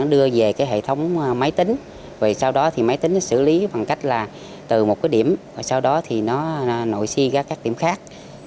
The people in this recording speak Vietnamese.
đóng máy tính sau đó máy tính xử lý bằng cách là từ một cái điểm sau đó nó nội si các điểm khác